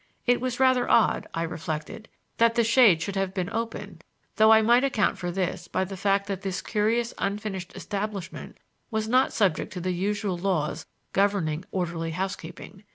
It was rather odd, I reflected, that the shades should have been open, though I might account for this by the fact that this curious unfinished establishment was not subject to the usual laws governing orderly housekeeping.